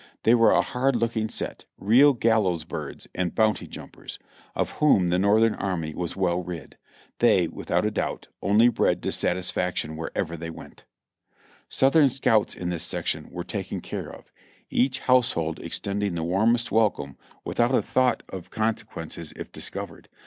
They were a hard looking set, real gallows birds and bounty jumpers, of whom the Northern army was well rid. They, without a doubt, only bred dissatisfaction wherever they went. Southern scouts in this section were taken care of, each house hold extending the warmest welcome without a thought of con 448 JOHNNY REB AND BILLY YANK sequences if discovered.